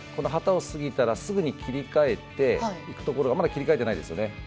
旗を過ぎたらすぐに切り替えていくところがまだ切り替えていないですね。